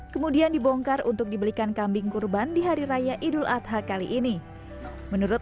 kemudian dibongkar untuk dibelikan kambing kurban di hari raya idul adha kali ini menurut